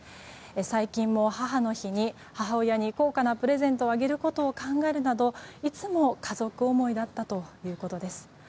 最近も母の日に母親に高価なプレゼントをあげることを考えるなど、いつも家族思いだったということです。